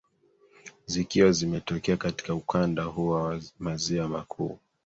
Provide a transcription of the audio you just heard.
zikiwa zimetokea katika ukanda huu wa maziwa makuu